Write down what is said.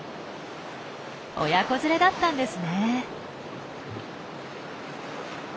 親子連れだったんですね。